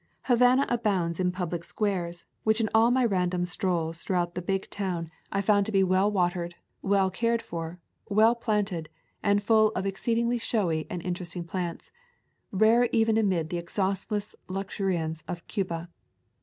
Havana abounds in public squares, which in all my random strolls throughout the big town [ 154 ] AA Sojourn in Cuba I found to be well watered, well cared for, well planted, and full of exceedingly showy and in teresting plants, rare even amid the exhaustless luxuriance of Cuba.